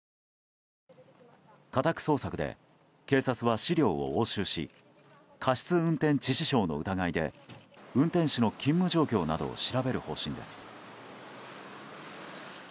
家宅捜索で警察は資料を押収し過失運転致死傷の疑いで運転手の勤務状況などを調べる方針です。